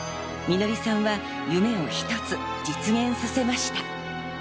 季さんは夢を一つ実現させました。